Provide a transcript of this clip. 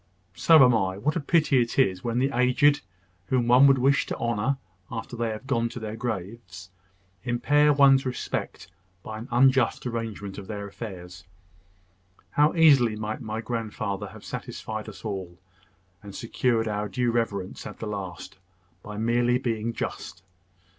"So am I. What a pity it is, when the aged, whom one would wish to honour after they are gone to their graves, impair one's respect, by an unjust arrangement of their affairs! How easily might my grandfather have satisfied us all, and secured our due reverence at the last, by merely being just!